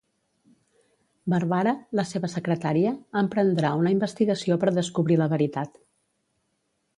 Barbara, la seva secretària, emprendrà una investigació per descobrir la veritat.